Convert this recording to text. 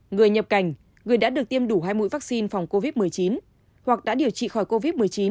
người nhập cảnh người đã được tiêm đủ hai mũi vaccine phòng covid một mươi chín hoặc đã điều trị khỏi covid một mươi chín